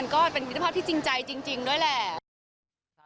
มันก็เป็นวิทยศภาพที่จริงนี้ด้วยแหละ